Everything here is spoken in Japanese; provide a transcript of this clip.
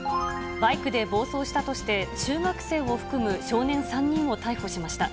バイクで暴走したとして、中学生を含む少年３人を逮捕しました。